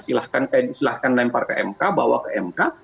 silahkan eh silahkan melempar ke mk bawa ke mk